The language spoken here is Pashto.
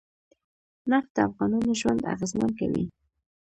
نفت د افغانانو ژوند اغېزمن کوي.